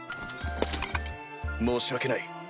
申し訳ない。